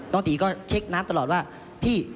ตีก็เช็คน้ำตลอดว่าพี่